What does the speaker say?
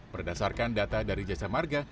berdasarkan data dari jasa marga